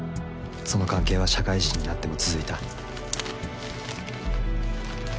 その関係は社会人になっても続いた。